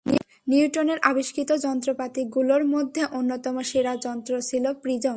নিউটনের আবিষ্কৃত যন্ত্রপাতিগুলোর মধ্যে অন্যতম সেরা যন্ত্র ছিল প্রিজম।